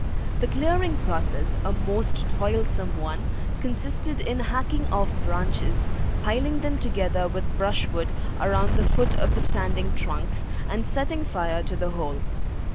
The clearing process a most toilsome one consisted in hacking off branches, piling them together with brushwood around the foot of the standing trunks, and setting fire to the whole.